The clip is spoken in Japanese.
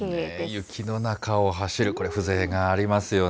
雪の中を走る、これ、風情がありますよね。